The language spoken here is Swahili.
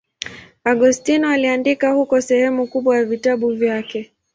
Agostino aliandika huko sehemu kubwa ya vitabu vyake.